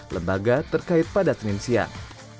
lembaga terkait pada senin siang